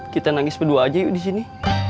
kita nangis berdua aja yuk disini